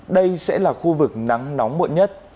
đây sẽ là khu vực nắng nóng muộn nhất